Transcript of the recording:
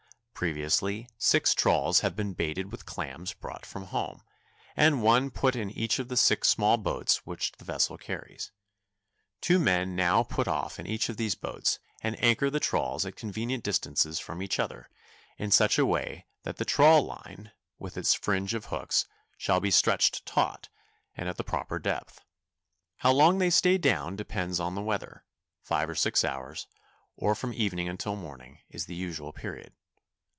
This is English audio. Previously, six trawls have been baited with clams brought from home, and one put in each of the six small boats which the vessel carries. Two men now put off in each of these boats and anchor the trawls at convenient distances from each other, in such a way that the trawl line, with its fringe of hooks, shall be stretched taut and at the proper depth. How long they stay down depends on the weather—five or six hours, or from evening until morning, is the usual period.